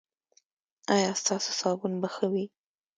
ایا ستاسو صابون به ښه وي؟